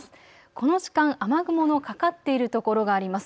この時間、雨雲のかかっている所があります。